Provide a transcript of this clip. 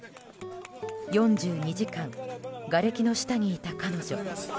４２時間がれきの下にいた彼女。